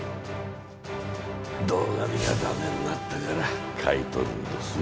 堂上がダメになったから買い取るんですよ。